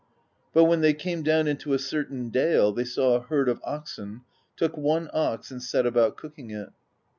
But when they came down into a cer tain dale, they saw a herd of oxen, took one ox, and set about cooking it.